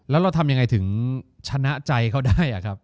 แล้วเราทำยังไงถึงชนะใจเขาได้ครับ